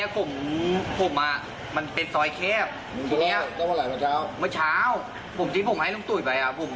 พอตามมาก็มากี่คน